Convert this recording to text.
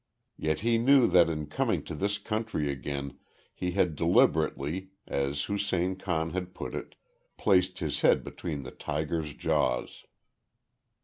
Yet he knew that in coming to this country again he had deliberately as Hussein Khan had put it placed his head between the tiger's jaws.